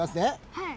はい。